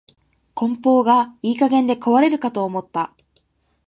梱包がいい加減で壊れるかと思った